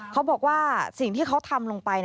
เขาบอกว่าสิ่งที่เขาทำลงไป